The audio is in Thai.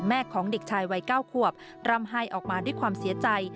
ของเด็กชายวัย๙ขวบร่ำไห้ออกมาด้วยความเสียใจ